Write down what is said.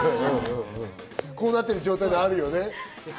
こうなってる状態あるよね。